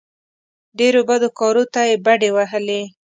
ډېرو بدو کارو ته یې بډې وهلې.